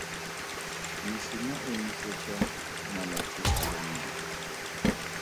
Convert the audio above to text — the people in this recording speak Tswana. Mesima e nosetswa malatsi a le mmalwa.